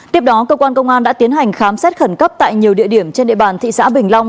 tiếp đó cơ quan công an đã tiến hành khám xét khẩn cấp tại nhiều địa điểm trên địa bàn thị xã bình long